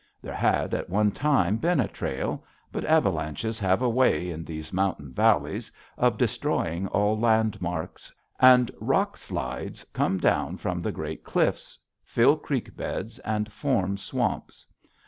There had, at one time, been a trail, but avalanches have a way, in these mountain valleys, of destroying all landmarks, and rock slides come down from the great cliffs, fill creek beds, and form swamps.